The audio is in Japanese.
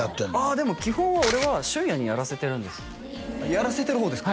でも基本は俺は駿也にやらせてるんですやらせてる方ですか？